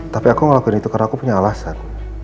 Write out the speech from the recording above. tapi aku ngelakuin itu karena aku punya alasan